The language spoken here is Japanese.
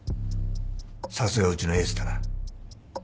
さすがうちのエースだな。